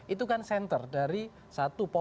itu kan center dari satu